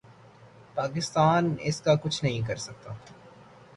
پاکستان اس کا کچھ نہیں کر سکتا۔